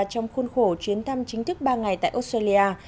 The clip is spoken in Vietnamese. trong khuôn khổ chuyến thăm chính thức ba ngày tại australia